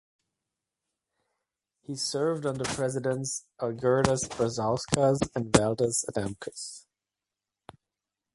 He served under Presidents Algirdas Brazauskas and Valdas Adamkus.